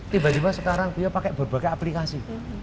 tiba tiba sekarang beliau pakai berbagai aplikasi